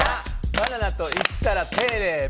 バナナといったらテレビ。